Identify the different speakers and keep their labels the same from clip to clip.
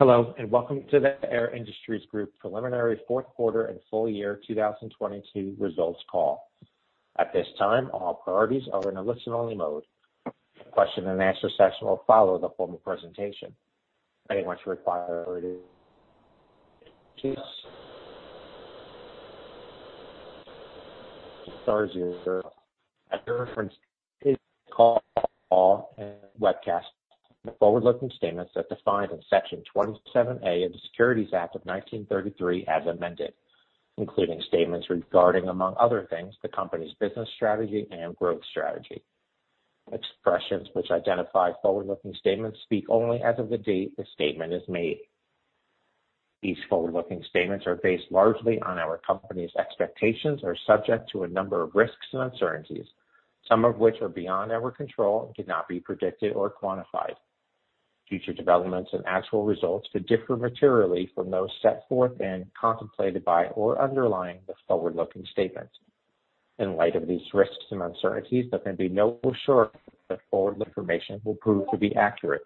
Speaker 1: Hello, welcome to the Air Industries Group preliminary fourth quarter and full year 2022 results call. At this time, all parties are in a listen-only mode. Question and answer session will follow the formal presentation. Anyone requiring At the reference call, all webcast forward-looking statements as defined in Section 27A of the Securities Act of 1933 as amended, including statements regarding, among other things, the company's business strategy and growth strategy. Expressions which identify forward-looking statements speak only as of the date the statement is made. These forward-looking statements are based largely on our company's expectations are subject to a number of risks and uncertainties, some of which are beyond our control and cannot be predicted or quantified. Future developments and actual results could differ materially from those set forth and contemplated by or underlying the forward-looking statement. In light of these risks and uncertainties, there can be no sure that forward information will prove to be accurate.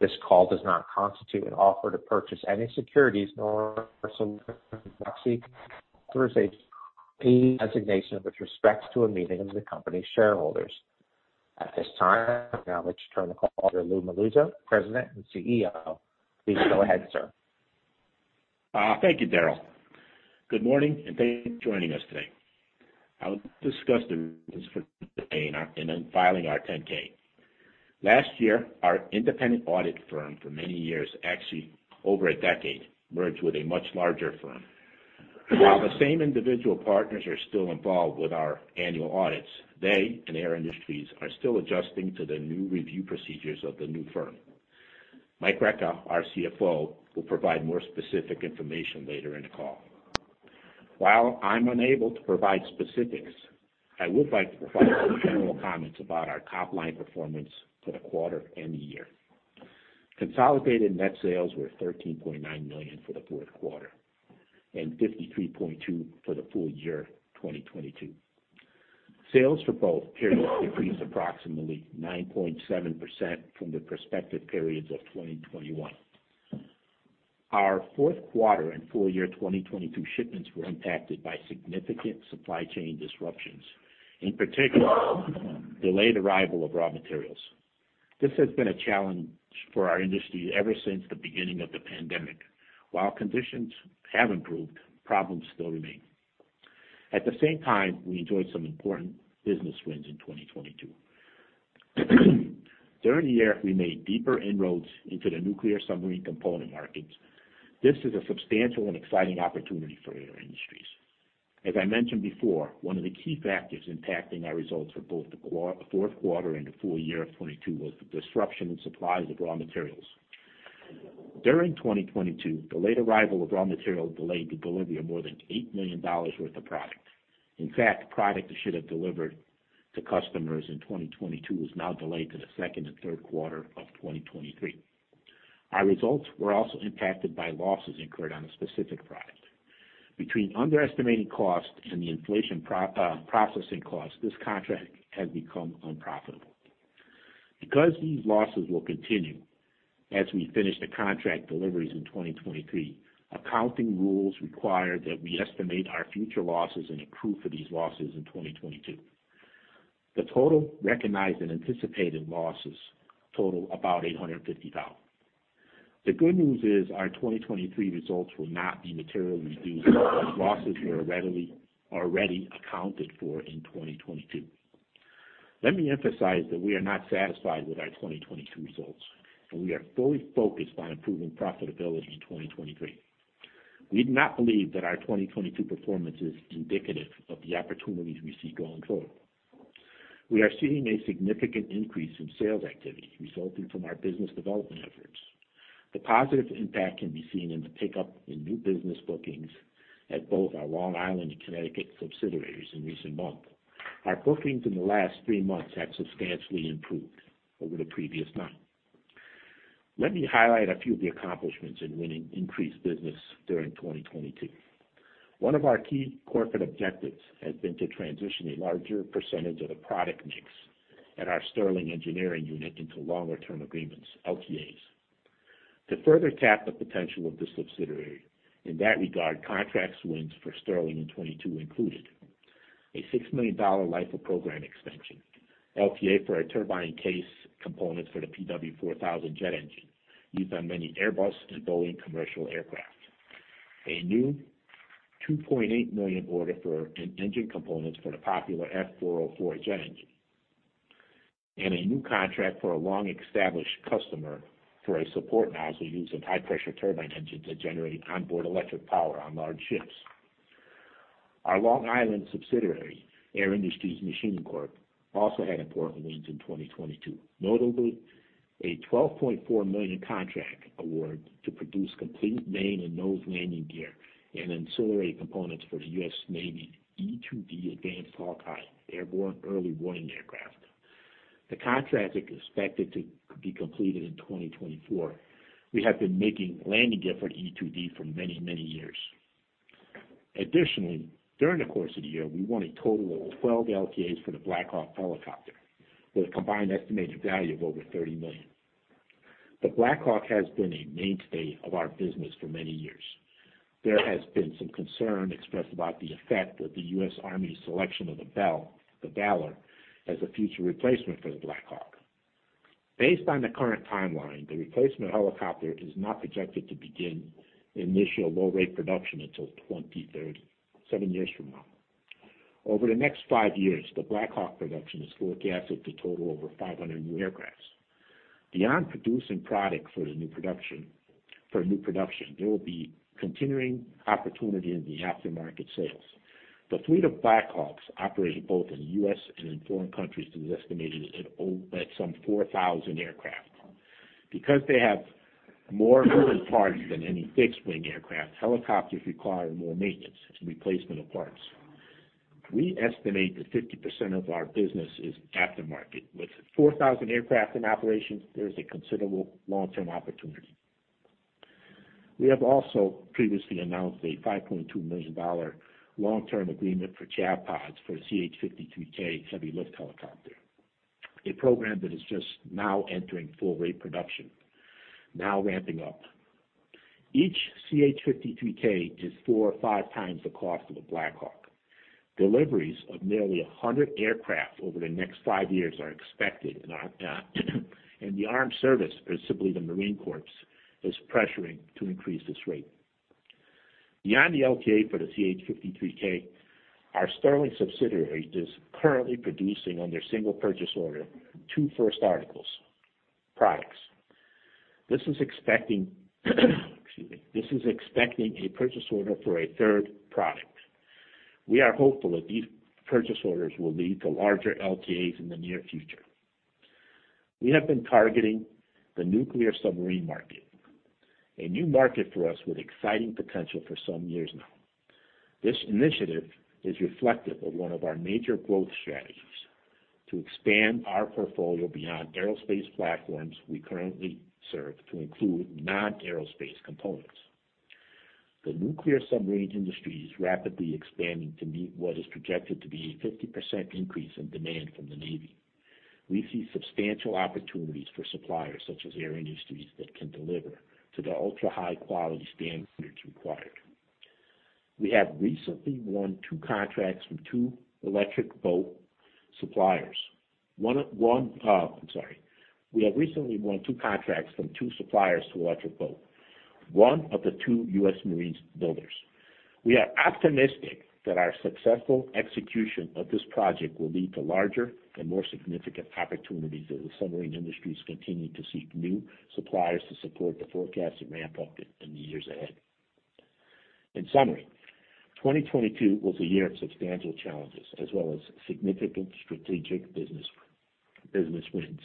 Speaker 1: This call does not constitute an offer to purchase any securities nor solicit designation with respects to a meeting of the company's shareholders. At this time, I would now like to turn the call to Lou Melluzzo, President and CEO. Please go ahead, sir.
Speaker 2: Thank you, Daryl. Good morning, and thank you for joining us today. I'll discuss the in filing our 10-K. Last year, our independent audit firm for many years, actually over a decade, merged with a much larger firm. While the same individual partners are still involved with our annual audits, they and Air Industries are still adjusting to the new review procedures of the new firm. Michael Recca, our CFO, will provide more specific information later in the call. While I'm unable to provide specifics, I would like to provide some general comments about our top-line performance for the quarter and the year. Consolidated net sales were $13.9 million for the fourth quarter and $53.2 million for the full year 2022. Sales for both periods decreased approximately 9.7% from the prospective periods of 2021. Our fourth quarter and full year 2022 shipments were impacted by significant supply chain disruptions, in particular, delayed arrival of raw materials. This has been a challenge for our industry ever since the beginning of the pandemic. While conditions have improved, problems still remain. At the same time, we enjoyed some important business wins in 2022. During the year, we made deeper inroads into the nuclear submarine component markets. This is a substantial and exciting opportunity for Air Industries. As I mentioned before, one of the key factors impacting our results for both the fourth quarter and the full year of 2022 was the disruption in supplies of raw materials. During 2022, delayed arrival of raw material delayed the delivery of more than $8 million worth of product. In fact, product that should have delivered to customers in 2022 was now delayed to the second and third quarter of 2023. Our results were also impacted by losses incurred on a specific product. Between underestimating costs and the inflation processing costs, this contract has become unprofitable. These losses will continue as we finish the contract deliveries in 2023, accounting rules require that we estimate our future losses and accrue for these losses in 2022. The total recognized and anticipated losses total about $850,000. The good news is our 2023 results will not be materially reduced as losses are already accounted for in 2022. Let me emphasize that we are not satisfied with our 2022 results, and we are fully focused on improving profitability in 2023. We do not believe that our 2022 performance is indicative of the opportunities we see going forward. We are seeing a significant increase in sales activity resulting from our business development efforts. The positive impact can be seen in the pickup in new business bookings at both our Long Island and Connecticut subsidiaries in recent months. Our bookings in the last three months have substantially improved over the previous nine. Let me highlight a few of the accomplishments in winning increased business during 2022. One of our key corporate objectives has been to transition a larger percentage of the product mix at our Sterling Engineering unit into Long-Term Agreements, LTAs, to further tap the potential of the subsidiary. In that regard, contract wins for Sterling in 2022 included a $6 million life of program extension, LTA for a turbine case component for the PW4000 jet engine used on many Airbus and Boeing commercial aircraft. A new $2.8 million order for an engine components for the popular F404 jet engine, and a new contract for a long-established customer for a turbine nozzle using high-pressure turbine engines that generate onboard electric power on large ships. Our Long Island subsidiary, Air Industries Machining Corp., also had important wins in 2022, notably a $12.4 million contract award to produce complete main and nose landing gear and ancillary components for the US Navy E-2D Advanced Hawkeye airborne early warning aircraft. The contract is expected to be completed in 2024. We have been making landing gear for E-2D for many years. Additionally, during the course of the year, we won a total of 12 LTAs for the Black Hawk helicopter with a combined estimated value of over $30 million. The Black Hawk has been a mainstay of our business for many years. There has been some concern expressed about the effect of the US Army's selection of the Bell, the Valor, as a future replacement for the Black Hawk. Based on the current timeline, the replacement helicopter is not projected to begin initial low rate production until 2030, seven years from now. Over the next five years, the Black Hawk production is forecasted to total over 500 new aircraft. Beyond producing product for new production, there will be continuing opportunity in the aftermarket sales. The fleet of Black Hawks operating both in the US and in foreign countries is estimated at 4,000 aircraft. Because they have more moving parts than any fixed-wing aircraft, helicopters require more maintenance and replacement of parts. We estimate that 50% of our business is aftermarket. With 4,000 aircraft in operation, there is a considerable long-term opportunity. We have also previously announced a $5.2 million long-term agreement for Chaff Pods for CH-53K heavy lift helicopter, a program that is just now entering full rate production, now ramping up. Each CH-53K is four or five times the cost of a Black Hawk. Deliveries of nearly 100 aircraft over the next five years are expected in our, in the armed service, or simply the Marine Corps, is pressuring to increase this rate. Beyond the LTA for the CH-53K, our Sterling subsidiary is currently producing under single purchase order, 2 first articles, products. This is expecting, excuse me, this is expecting a purchase order for a 3rd product. We are hopeful that these purchase orders will lead to larger LTAs in the near future. We have been targeting the nuclear submarine market, a new market for us with exciting potential for some years now. This initiative is reflective of one of our major growth strategies, to expand our portfolio beyond aerospace platforms we currently serve to include non-aerospace components. The nuclear submarine industry is rapidly expanding to meet what is projected to be a 50% increase in demand from the Navy. We see substantial opportunities for suppliers such as Air Industries that can deliver to the ultra-high quality standards required. We have recently won 2 contracts from 2 Electric Boat suppliers. I'm sorry. We have recently won two contracts from two suppliers to Electric Boat, one of the two US Marine Corps builders. We are optimistic that our successful execution of this project will lead to larger and more significant opportunities as the submarine industries continue to seek new suppliers to support the forecasted ramp up in the years ahead. In summary, 2022 was a year of substantial challenges as well as significant strategic business wins.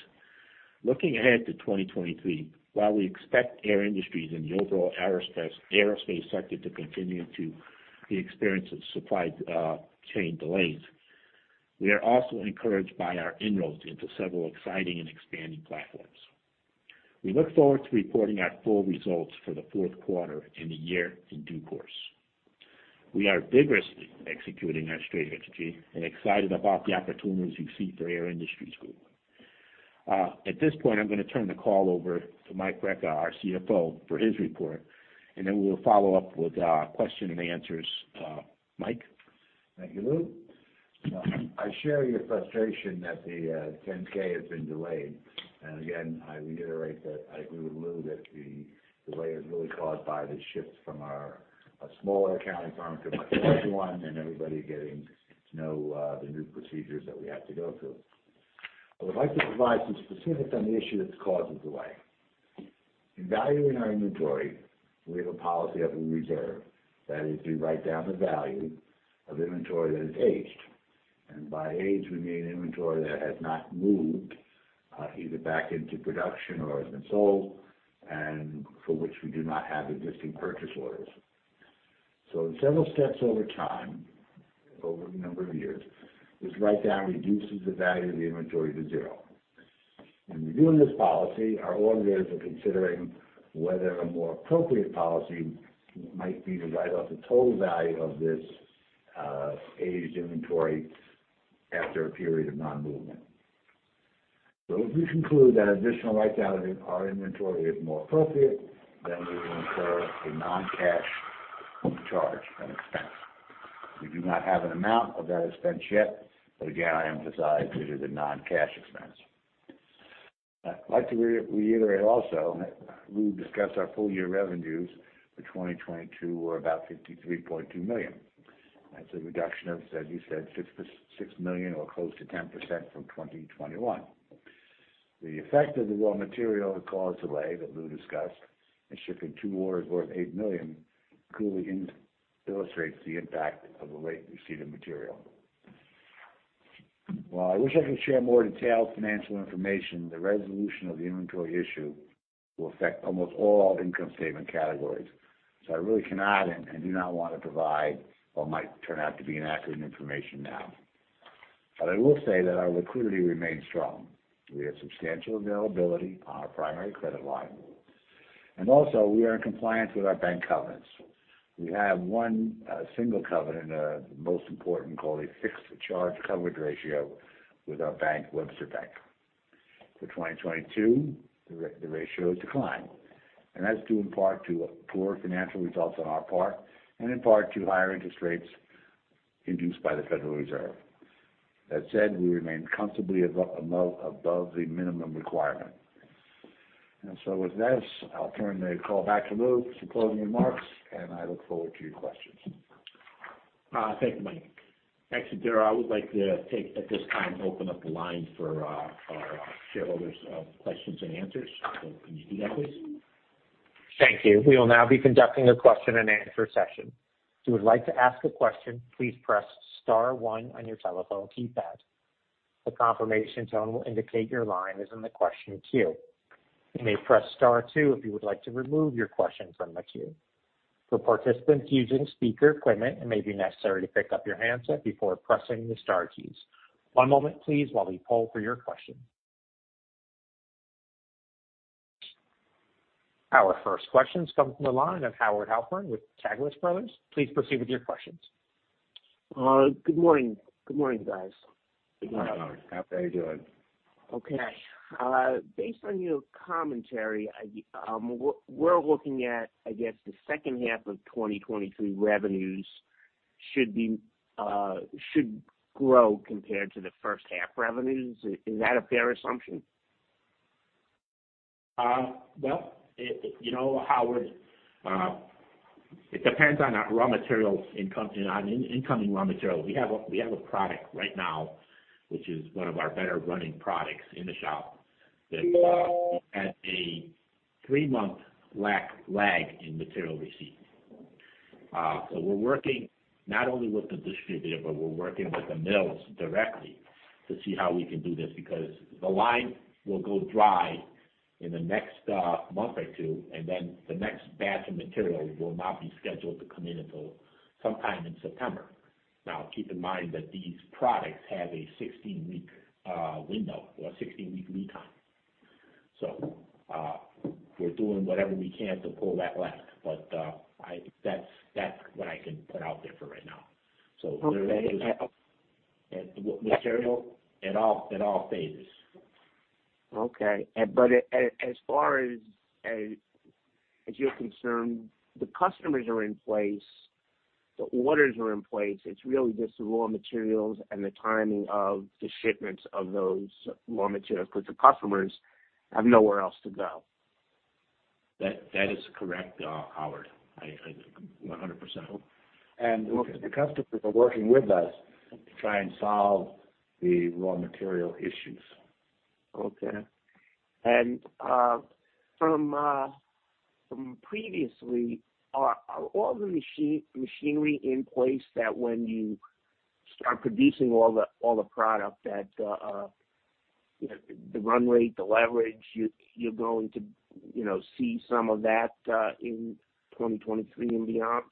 Speaker 2: Looking ahead to 2023, while we expect Air Industries and the overall aerospace sector to continue to be experiencing supply chain delays, we are also encouraged by our inroads into several exciting and expanding platforms. We look forward to reporting our full results for the fourth quarter and the year in due course. We are vigorously executing our strategy and excited about the opportunities we see for Air Industries Group. At this point, I'm gonna turn the call over to Mike Recca, our CFO, for his report, and then we'll follow up with, question and answers. Mike?
Speaker 3: Thank you, Lou. I share your frustration that the 10-K has been delayed. Again, I reiterate that I agree with Lou that the delay is really caused by the shift from a smaller accounting firm to a much larger one, and everybody getting to know the new procedures that we have to go through. I would like to provide some specifics on the issue that's caused the delay. In valuing our inventory, we have a policy of a reserve, that is, we write down the value of inventory that is aged. By age, we mean inventory that has not moved either back into production or has been sold and for which we do not have existing purchase orders. In several steps over time, over a number of years, this write-down reduces the value of the inventory to zero. In reviewing this policy, our auditors are considering whether a more appropriate policy might be to write off the total value of this aged inventory after a period of non-movement. If we conclude that additional write down of our inventory is more appropriate, then we will incur a non-cash charge and expense. We do not have an amount of that expense yet, again, I emphasize it is a non-cash expense. I'd like to reiterate also that Lou discussed our full year revenues for 2022 were about $53.2 million. That's a reduction of, as he said, $6 million or close to 10% from 2021. The effect of the raw material that caused delay that Lou discussed and shipping two orders worth $8 million clearly illustrates the impact of the late receipt of material. While I wish I could share more detailed financial information, the resolution of the inventory issue will affect almost all income statement categories. I really cannot and do not want to provide what might turn out to be inaccurate information now. I will say that our liquidity remains strong. We have substantial availability on our primary credit line, and also we are in compliance with our bank covenants. We have one single covenant, most important, called a fixed charge coverage ratio with our bank, Webster Bank. For 2022, the ratio has declined, and that's due in part to poor financial results on our part and in part to higher interest rates induced by the Federal Reserve. That said, we remain comfortably above the minimum requirement. With that, I'll turn the call back to Lou for closing remarks, and I look forward to your questions.
Speaker 2: Thank you, Mike. Thanks, Daryl. I would like to take, at this time, open up the line for our shareholders, questions and answers from the community members.
Speaker 1: Thank you. We will now be conducting a question and answer session. If you would like to ask a question, please press star one on your telephone keypad. The confirmation tone will indicate your line is in the question queue. You may press star two if you would like to remove your question from the queue. For participants using speaker equipment, it may be necessary to pick up your handset before pressing the star keys. One moment, please, while we poll for your question. Our first question comes from the line of Howard Halpern with Taglich Brothers. Please proceed with your questions.
Speaker 4: Good morning. Good morning, guys.
Speaker 2: Good morning, Howard.
Speaker 3: How are you doing?
Speaker 4: Okay. based on your commentary, I we're looking at, I guess, the second half of 2023 revenues should be, should grow compared to the first half revenues. Is that a fair assumption?
Speaker 2: Well, you know, Howard, it depends on our raw materials incoming raw materials. We have a product right now, which is one of our better running products in the shop that we had a three month lag in material receipt. We're working not only with the distributor, but we're working with the mills directly to see how we can do this, because the line will go dry in the next month or two, and then the next batch of material will not be scheduled to come in until sometime in September. Now, keep in mind that these products have a 16-week window or a 16-week lead time. We're doing whatever we can to pull that lag, but that's what I can put out there for right now.
Speaker 4: Okay.
Speaker 2: material at all, at all phases.
Speaker 4: Okay. As far as, you're concerned, the customers are in place, the orders are in place. It's really just the raw materials and the timing of the shipments of those raw materials, but the customers have nowhere else to go.
Speaker 2: That is correct, Howard. 100%.
Speaker 3: The customers are working with us to try and solve the raw material issues.
Speaker 4: Okay. from previously, are all the machinery in place that when you start producing all the product that, you know, the run rate, the leverage, you're going to, you know, see some of that in 2023 and beyond?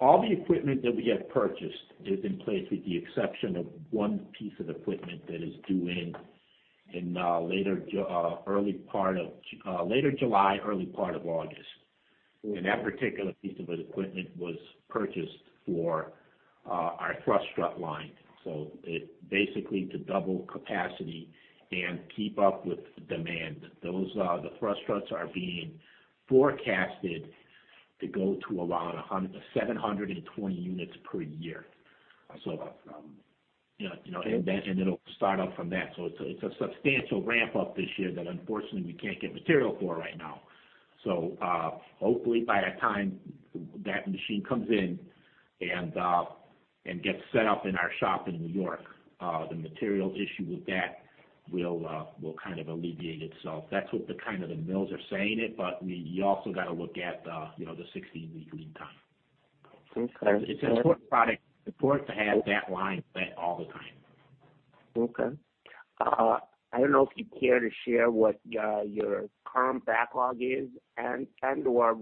Speaker 2: All the equipment that we have purchased is in place with the exception of one piece of equipment that is due in later July, early part of August. That particular piece of equipment was purchased for our thrust strut line, so basically to double capacity and keep up with demand. Those the thrust struts are being forecasted to go to around 720 units per year. you know, it'll start up from that. It's a substantial ramp-up this year that unfortunately we can't get material for right now. Hopefully by the time that machine comes in and gets set up in our shop in New York, the materials issue with that will kind of alleviate itself. That's what the kind of the mills are saying it, you also gotta look at the, you know, the 16-week lead time.
Speaker 4: Okay.
Speaker 2: It's an important product. It's important to have that line set all the time.
Speaker 4: Okay. I don't know if you'd care to share what your current backlog is and or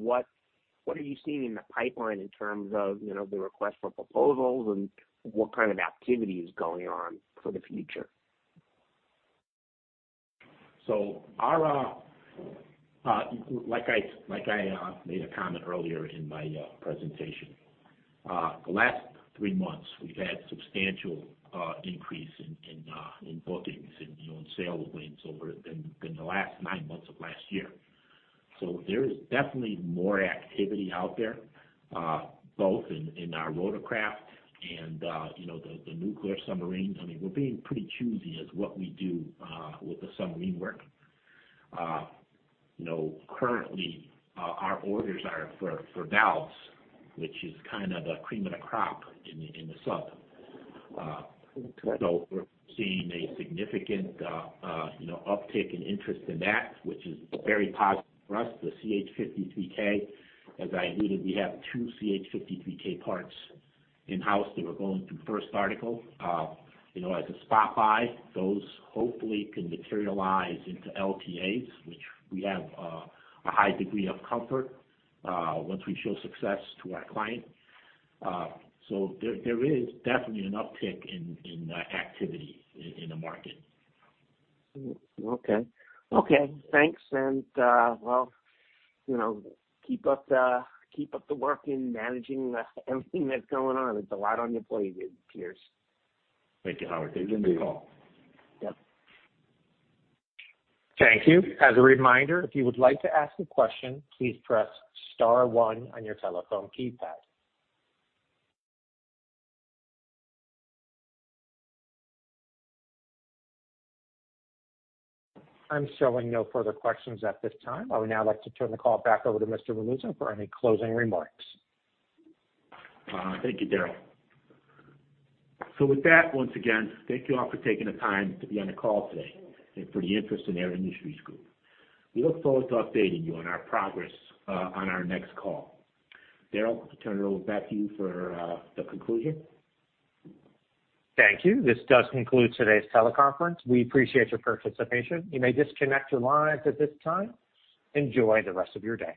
Speaker 4: what are you seeing in the pipeline in terms of, you know, the request for proposals and what kind of activity is going on for the future?
Speaker 2: Our like I made a comment earlier in my presentation. The last three months, we've had substantial increase in bookings and, you know, in sales wins over than the last nine months of last year. There is definitely more activity out there, both in our rotorcraft and, you know, the nuclear submarines. I mean, we're being pretty choosy as what we do with the submarine work. You know, currently, our orders are for valves, which is kind of the cream of the crop in the sub.
Speaker 4: Okay.
Speaker 2: We're seeing a significant, you know, uptick in interest in that, which is very positive for us. The CH-53K, as I alluded, we have two CH-53K parts in-house that are going through first article. You know, as a spot buy, those hopefully can materialize into LTAs, which we have a high degree of comfort once we show success to our client. There is definitely an uptick in activity in the market.
Speaker 4: Okay. Okay, thanks. Well, you know, keep up the work in managing the everything that's going on. It's a lot on your plate, it appears.
Speaker 2: Thank you, Howard. Thank you for the call.
Speaker 4: Yep.
Speaker 1: Thank you. As a reminder, if you would like to ask a question, please press star one on your telephone keypad. I'm showing no further questions at this time. I would now like to turn the call back over to Mr. Melluzzo for any closing remarks.
Speaker 2: Thank you, Daryl. With that, once again, thank you all for taking the time to be on the call today and for the interest in Air Industries Group. We look forward to updating you on our progress on our next call. Daryl, I'll turn it over back to you for the conclusion.
Speaker 1: Thank you. This does conclude today's teleconference. We appreciate your participation. You may disconnect your lines at this time. Enjoy the rest of your day.